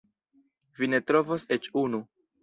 Vi ne trovos eĉ unu.